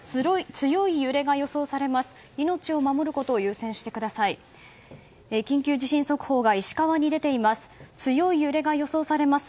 強い揺れが予想されます。